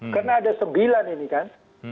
karena ada sembilan ini kan